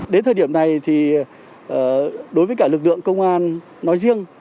đến thời điểm này thì đối với cả lực lượng công an nói riêng